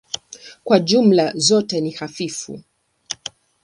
Kwa jumla zote ni hafifu.